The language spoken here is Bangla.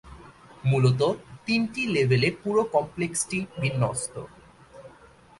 মুলত তিনটি লেভেলে পুরো কমপ্লেক্সটি বিন্যস্ত।